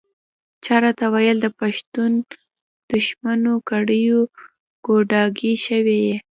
چا راته ویل د پښتون دښمنو کړیو ګوډاګی شوی یې.